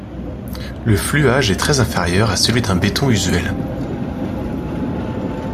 Le fluage est très inférieur à celui d’un béton usuel.